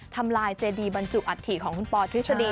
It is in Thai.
ทำลายเจดีบรรจุอัฐิของคุณปอทฤษฎี